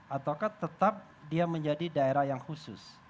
atau tetap dia akan menjadi daerah yang khusus